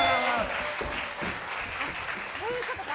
そういうことか。